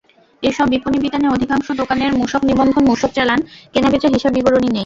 এসব বিপণিবিতানে অধিকাংশ দোকানের মূসক নিবন্ধন, মূসক চালান, কেনাবেচার হিসাব বিবরণী নেই।